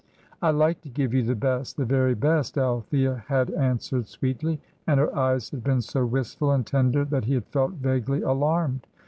"I like to give you the best the very best," Althea had answered sweetly, and her eyes had been so wistful and tender that he had felt vaguely alarmed.